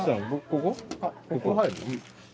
ここ入るの？